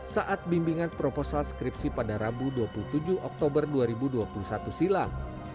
saat bimbingan proposal skripsi pada rabu dua puluh tujuh oktober dua ribu dua puluh satu silam